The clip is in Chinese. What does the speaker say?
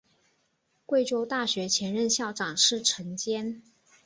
贵州大学前任校长是陈坚。